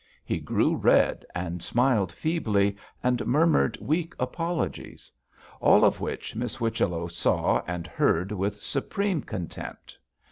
He grew red, and smiled feebly, and murmured weak apologies; all of which Miss Whichello saw and heard with supreme contempt.